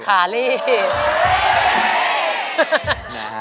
ขารีบ